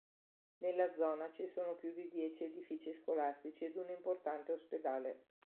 Nella zona ci sono più di dieci edifici scolastici ed un importante ospedale.